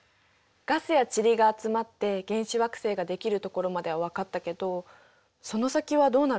ガスや塵が集まって原始惑星ができるところまでは分かったけどその先はどうなるの？